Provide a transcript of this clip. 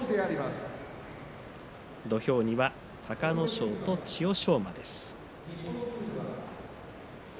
土俵には、隆の勝と千代翔馬です。